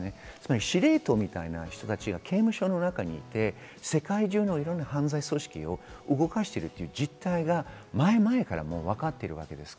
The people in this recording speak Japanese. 司令塔みたいな人たちが刑務所の中にいて、世界中のいろんな犯罪組織を動かしているという実態が前々からわかっています。